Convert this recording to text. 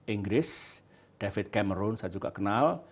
inggris david cameron saya juga kenal